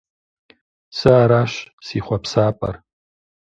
Сэ аращ си хъуапсапӀэр!